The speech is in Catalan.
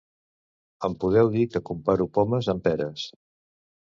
Em podeu dir que comparo pomes amb peres.